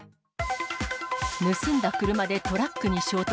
盗んだ車でトラックに衝突。